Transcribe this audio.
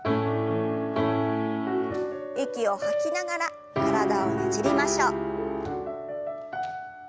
息を吐きながら体をねじりましょう。